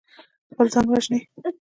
خپل ځان وژني.